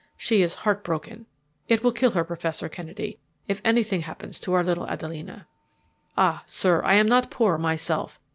She is heartbroken. It will kill her, Professor Kennedy, if anything happens to our little Adelina. "Ah, sir, I am not poor myself.